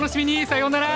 さようなら。